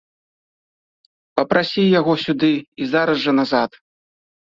Папрасі яго сюды і зараз жа назад!